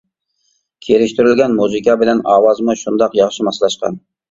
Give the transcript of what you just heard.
كىرىشتۈرۈلگەن مۇزىكا بىلەن ئاۋازمۇ شۇنداق ياخشى ماسلاشقان.